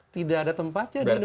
tidak ada tempatnya di indonesia